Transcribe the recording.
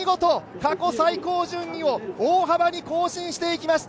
過去最高順位を大幅に更新していきました。